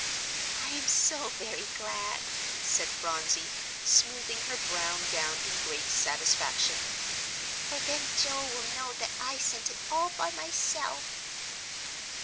"I am so very glad," said Phronsie, smoothing her brown gown in great satisfaction; "for then Joel will know that I sent it all by myself."